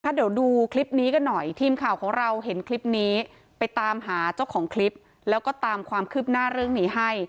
เดี๋ยวดูคลิปนี้กันหน่อยทีมข่าวของเราเห็นคลิปนี้ไปตามหาเจ้าของคลิปแล้วก็ตามความคืบหน้าเรื่องนี้ให้